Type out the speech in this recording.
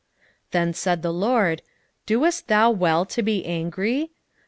4:4 Then said the LORD, Doest thou well to be angry?